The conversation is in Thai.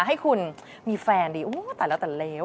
ให้คุณมีแฟนดีโอ้โฮตายแล้วตายแล้ว